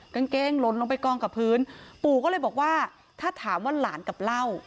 กางเกงหล่นลงไปกองกับพื้นปู่ก็เลยบอกว่าถ้าถามว่าหลานกับเหล้า